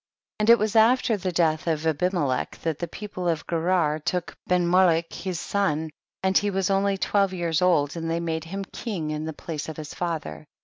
20. And it was after the death of Abimelech that the people of Gerar took Benmalich liis son, and he was only twelve years old, and they made him king in the place of his father.